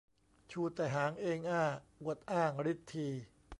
ชูแต่หางเองอ้า อวดอ้างฤทธี